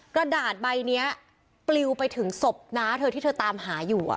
กระดาษใบนี้ปลิวไปถึงศพน้าเธอที่เธอตามหาอยู่